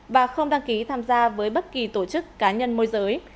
và không đăng ký tham gia với bất kỳ tổ chức cá nhân môi giới